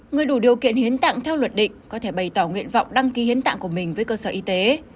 người đủ điều kiện hiến tặng theo luật định có thể bày tỏ nguyện vọng đăng ký hiến tạng của mình với cơ sở y tế